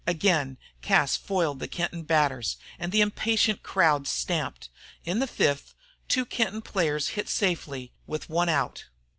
Again Cas foiled the Kenton batters, and the impatient crowd stamped. In the fifth, two Kenton players hit safely with one out.